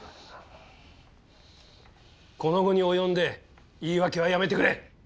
この期に及んで言い訳はやめてくれ！